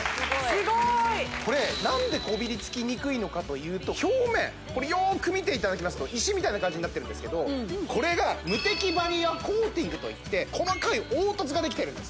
すごいこれなんでこびりつきにくいのかというと表面これよーく見ていただきますと石みたいな感じになってるんですけどこれがムテキバリアコーティングといって細かい凹凸ができてるんですね